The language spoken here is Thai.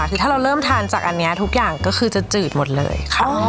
คือถ้าเราเริ่มทานจากอันนี้ทุกอย่างก็คือจะจืดหมดเลยค่ะ